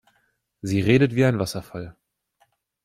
Sie redet wie ein Wasserfall.